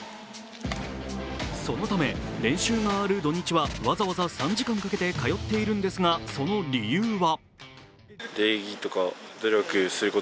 そのため、練習がある土日はわざわざ３時間かけて通っているんですが、その理由は。